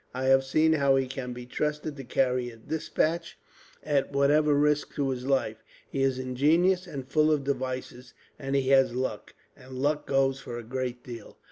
I have seen how he can be trusted to carry a despatch, at whatever risk to his life. He is ingenious and full of devices; and he has luck, and luck goes for a great deal.